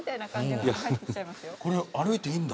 これ歩いていいんだ。